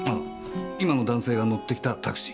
今の男性が乗ってきたタクシー。